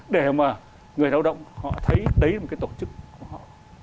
để mà người lao động họ thấy đấy là một cái tổ chức của họ